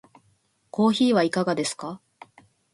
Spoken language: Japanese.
コーヒーはいかがですか？